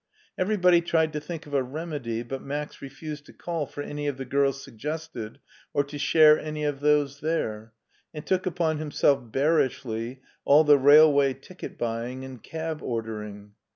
Every body tried to think of a remedy, but Max refused to call for any of the girls suggested, or to share any of those there, and took upon himself bearishly all the railway ticket buying and cab ordering.